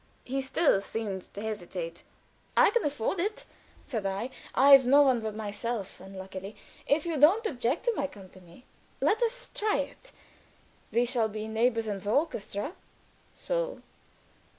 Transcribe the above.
He still seemed to hesitate. "I can afford it," said I. "I've no one but myself, unluckily. If you don't object to my company, let us try it. We shall be neighbors in the orchestra." "So!"